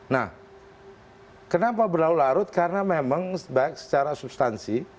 nah kenapa berlarut larut karena memang baik secara substansi